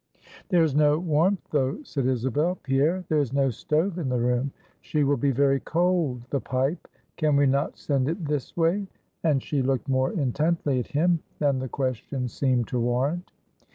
"There is no warmth, though," said Isabel. "Pierre, there is no stove in the room. She will be very cold. The pipe can we not send it this way?" And she looked more intently at him, than the question seemed to warrant.